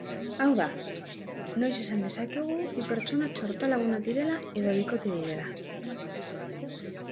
Hau da, noiz esan dezakegu bi pertsona txortalagunak direla edo bikote direla?